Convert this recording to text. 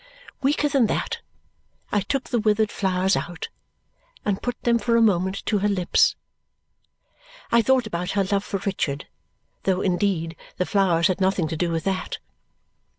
Weaker than that, I took the withered flowers out and put them for a moment to her lips. I thought about her love for Richard, though, indeed, the flowers had nothing to do with that.